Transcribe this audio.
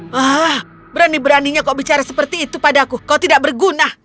wah berani beraninya kok bicara seperti itu padaku kau tidak berguna